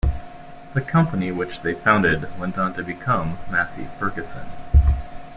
The company which they founded went on to become Massey Ferguson.